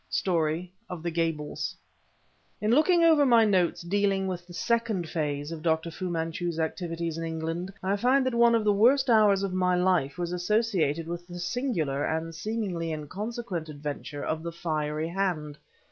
STORY OF THE GABLES In looking over my notes dealing with the second phase of Dr. Fu Manchu's activities in England, I find that one of the worst hours of my life was associated with the singular and seemingly inconsequent adventure of the fiery hand.